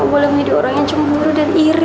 aku gak boleh menjadi orang yang cemburu dan iri